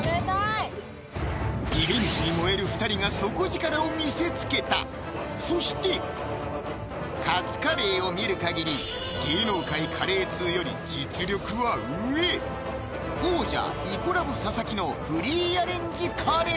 リベンジに燃える２人が底力を見せつけたそしてカツカレーを見る限り芸能界・カレー通より実力は上王者「イコラブ」・佐々木のフリーアレンジカレー！